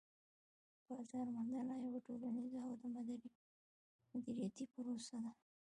بازار موندنه یوه ټولنيزه او دمدریتی پروسه ده